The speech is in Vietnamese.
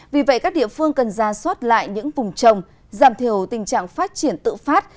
vì vậy các địa phương cần ra soát lại những vùng trồng giảm thiểu tình trạng phát triển tự phát